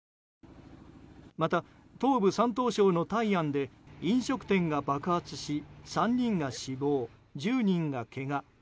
また、東部・山東省の泰安で飲食店が爆発し３人が死亡、１０人がけが。